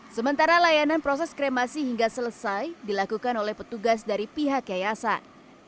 sementara layanan proses kremasi hingga selesai dilakukan oleh petugas dari pihak yayasan